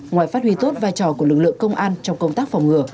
ngoài phát huy tốt vai trò của lực lượng công an trong công tác phòng ngừa